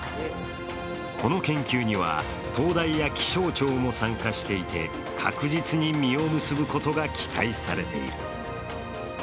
この研究には東大や気象庁も参加していて確実に実を結ぶことが期待されている。